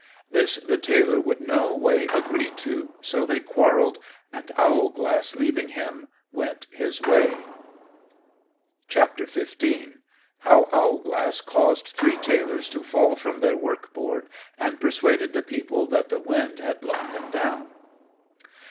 This the Tailor would no way agree to, so they quarrelled; and Owlglass leaving him, went his way. XV. _How Owlglass caused Three Tailors to fall from their Work board, and persuaded the People that the Wind had blown them down.